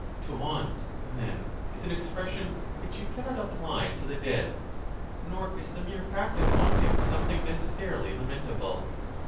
"To want," then, is an expression which you cannot apply to the dead; nor is the mere fact of wanting something necessarily lamen table.